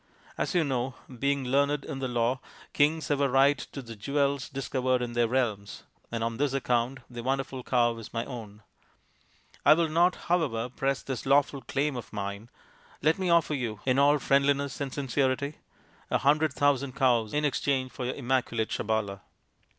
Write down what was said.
As you know, being learned in the law, kings have a right to the jewels discovered in their realms, and on this account the wonderful cow is my own. I will not, ao6 THE INDIAN STORY BOOK however, press this lawful claim of mine. Let me offer you, in all friendliness and sincerity, a hundred thousand cows in exchange for your immaculate Sabala."